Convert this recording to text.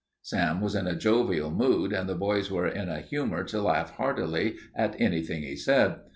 Sam was in a jovial mood and the boys were in the humor to laugh heartily at anything he said.